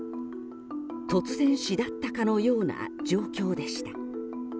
突然死だったかのような状況でした。